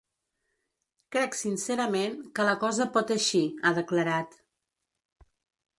Crec sincerament que la cosa pot eixir, ha declarat.